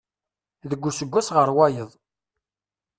Deg useggas ɣer wayeḍ.